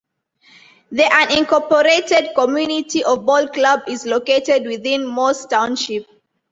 The unincorporated community of Ball Club is located within Morse Township.